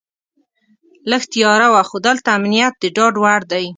لږه تیاره وه خو دلته امنیت د ډاډ وړ دی.